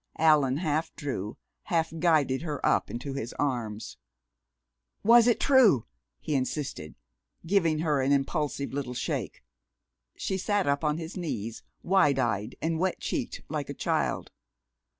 Allan half drew, half guided her up into his arms. "Was it true?" he insisted, giving her an impulsive little shake. She sat up on his knees, wide eyed and wet cheeked like a child.